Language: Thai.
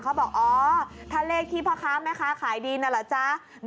เขาบอกอ๋อถ้าเลขที่พ่อค้าแม่ค้าขายดีนั่นเหรอจ๊ะ